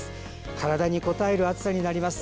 体にこたえる暑さになります。